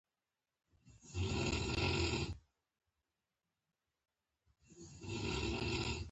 نو یې پر خپلې میرمنې غږ وکړ او دې ته یې وکتل.